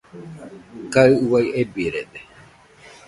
Kaɨ uai ebirede.